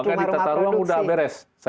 maka di tata ruang sudah beres